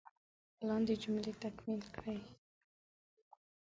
لاندې جملې تکمیل کړئ.